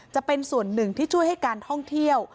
จะเป็นส่วนหนึ่งที่ช่วยให้การท่องเที่ยว